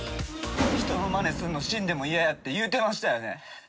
◆人のまねするの死んでも嫌やなって言うてましたよね。